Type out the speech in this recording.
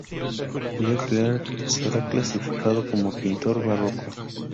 Le Clerc será clasificado como pintor barroco.